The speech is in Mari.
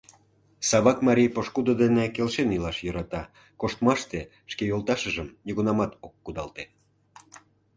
Савак марий пошкудо дене келшен илаш йӧрата, коштмаште шке йолташыжым нигунамат ок кудалте.